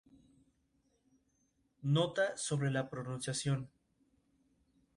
Ha sido candidata al Premio Finlandia dos veces y ha ganado numerosos premios literarios.